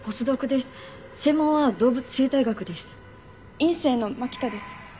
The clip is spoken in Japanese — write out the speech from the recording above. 院生の蒔田です。